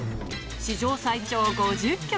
史上最長５０曲。